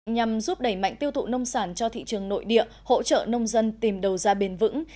nhằm giúp đẩy mạnh tiêu thụ nông sản cho thị trường nội địa hỗ trợ nông dân tìm đầu ra bền vững